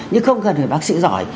nhưng không cần phải bác sĩ giỏi